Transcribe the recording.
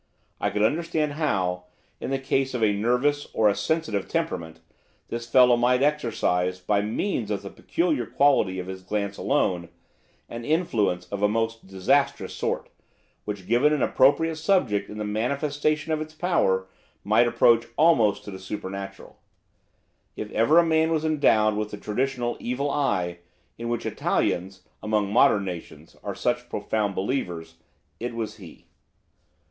I could understand how, in the case of a nervous, or a sensitive temperament, the fellow might exercise, by means of the peculiar quality of his glance alone, an influence of a most disastrous sort, which given an appropriate subject in the manifestation of its power might approach almost to the supernatural. If ever man was endowed with the traditional evil eye, in which Italians, among modern nations, are such profound believers, it was he.